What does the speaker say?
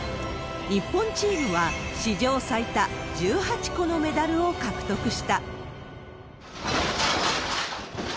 日本チームは史上最多１８個のメダルを獲得した。